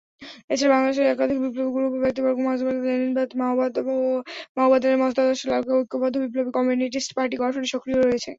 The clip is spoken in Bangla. এছাড়া বাংলাদেশের একাধিক বিপ্লবী গ্রুপ ও ব্যক্তিবর্গ মার্ক্সবাদ-লেনিনবাদ-মাওবাদ এর মতাদর্শের আলোকে ঐক্যবদ্ধ বিপ্লবী কমিউনিস্ট পার্টি গঠনে সক্রিয় আছে।